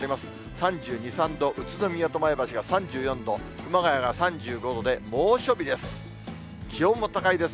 ３２、３度、宇都宮と前橋が３４度、熊谷が３５度で、猛暑日です。